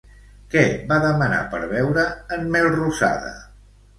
Què va demanar per beure en Melrosada?